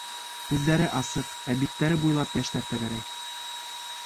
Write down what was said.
Күҙҙәре асыҡ, ә биттәре буйлап йәштәр тәгәрәй.